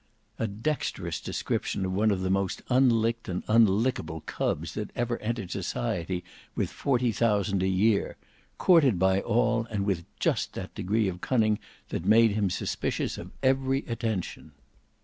A dexterous description of one of the most unlicked and unlickable cubs that ever entered society with forty thousand a year; courted by all, and with just that degree of cunning that made him suspicious of every attention.